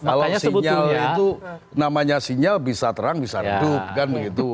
kalau sinyal itu namanya sinyal bisa terang bisa redup kan begitu